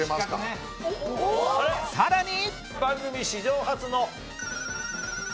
さらに！